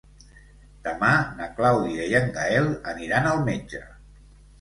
Demà na Clàudia i en Gaël aniran al metge.